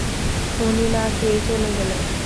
উনি না খেয়েই চলে গেলেন।